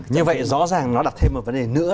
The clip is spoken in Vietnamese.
như vậy rõ ràng nó đặt thêm một vấn đề nữa